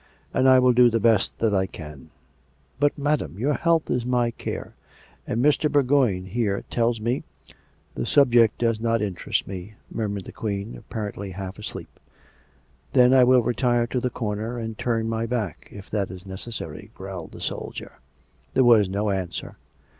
" And I will do the best that I can " 310 COME RACK! COME ROPE! " But, madam, your health is my care ; and Mr, Bour goign here tells me "" The subject does not interest me," murmured the Queen, apparently half asleep. " But I will retire to the corner and turn my back, if that is necessary," growled the soldier. There was no answer.